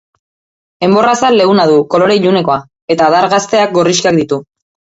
Enbor-azal leuna du, kolore ilunekoa eta adar gazteak gorrixkak ditu.